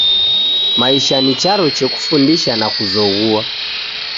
Maisha ni charo che kufundisha na kuzoghua.